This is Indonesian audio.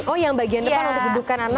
oh yang bagian depan untuk dudukan anak